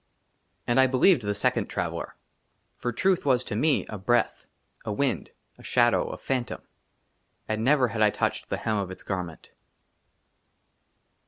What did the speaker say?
AND I BELIEVED THE SECOND TRAVELLER ; FOR TRUTH WAS TO ME A BREATH, A WIND, A SHADOW, A PHANTOM, AND NEVER HAD I TOUCHED THE HEM OF ITS GARMENT.